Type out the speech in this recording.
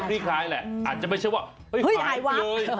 ค่อยคลี่คลายแหละอาจจะไม่ใช่ว่าเฮ้ยหายไปเลย